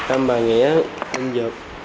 anh bà nghĩa anh dược